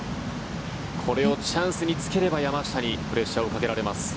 これをチャンスにつければ山下にプレッシャーをかけられます。